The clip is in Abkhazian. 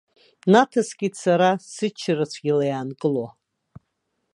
Наҭаскит сара, сыччара цәгьала иаанкыло.